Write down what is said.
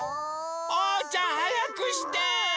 おうちゃんはやくして！